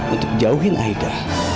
untuk jauhin aida